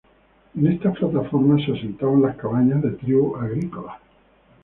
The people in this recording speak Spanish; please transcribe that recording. En estas plataformas se asentaban las cabañas de tribus agrícolas.